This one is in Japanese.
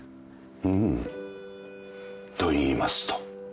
うん。といいますと？